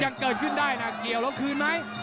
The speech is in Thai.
ยังเกิดขึ้นได้นะเกี่ยวแล้วคืนไหม